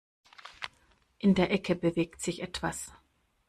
In der Ecke bewegt sich etwas.